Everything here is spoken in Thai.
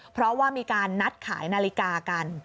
เพราะว่ามีการนัดขายนาฬิกากัน